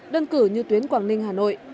đơn cử như tuyến quảng ninh hà nội